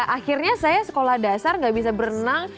akhirnya saya sekolah dasar gak bisa berenang